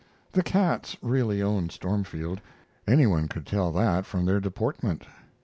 The cats really owned Stormfield; any one could tell that from their deportment.